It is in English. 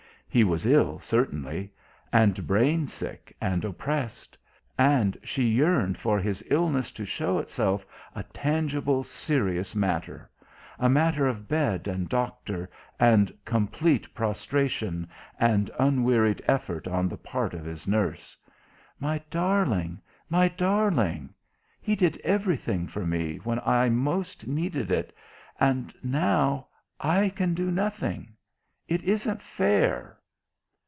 He was ill, certainly; and brain sick and oppressed; and she yearned for his illness to show itself a tangible, serious matter; a matter of bed and doctor and complete prostration and unwearied effort on the part of his nurse. "My darling my darling.... He did everything for me, when I most needed it. And now, I can do nothing.... It isn't fair!"